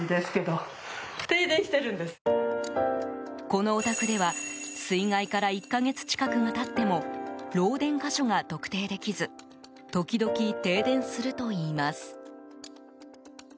このお宅では水害から１か月近くが経っても漏電箇所が特定できず時々、停電するといいます。